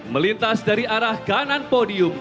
melintas dari arah kanan podium